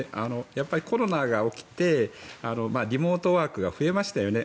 やっぱりコロナが起きてリモートワークが増えましたよね。